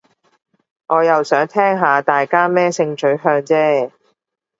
我又想聽下大家咩性取向啫